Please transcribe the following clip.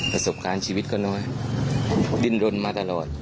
ประสบการณ์ชีวิตก็น้อยดินรนมาตลอด